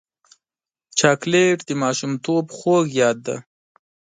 چاکلېټ د ماشومتوب خوږ یاد دی.